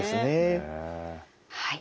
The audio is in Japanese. はい。